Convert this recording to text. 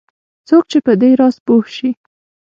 څوک چې په دې راز پوه شي